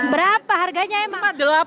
berapa harganya emang